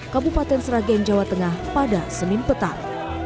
kabupaten sragen jawa tengah pada senin petang